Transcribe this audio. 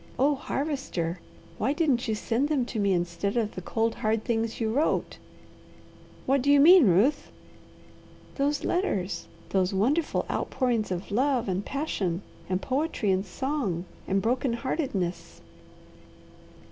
Oh Harvester! why didn't you send them to me instead of the cold, hard things you wrote?" "What do you mean, Ruth?" "Those letters! Those wonderful outpourings of love and passion and poetry and song and broken heartedness.